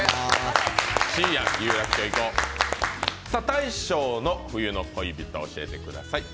大昇の冬の恋人、教えてください。